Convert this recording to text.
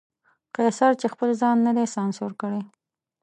قیصر چې خپل ځان نه دی سانسور کړی.